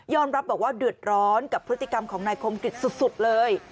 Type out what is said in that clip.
รับบอกว่าเดือดร้อนกับพฤติกรรมของนายคมกฤษสุดเลย